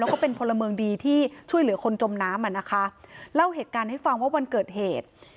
แล้วก็เป็นพลเมืองดีที่ช่วยเหลือคนจมน้ำอ่ะนะคะเล่าเหตุการณ์ให้ฟังว่าวันเกิดเหตุ